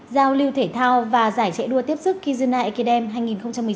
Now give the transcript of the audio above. giao lưu thể thao và giải chạy đua tiếp sức kizuna ekidem hai nghìn một mươi chín